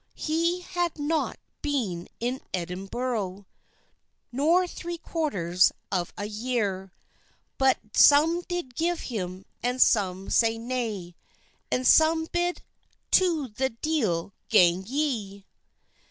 He had not beene in Edenborrow Nor three quarters of a yeare, But some did give him and some said nay, And some bid "to the deele gang yee!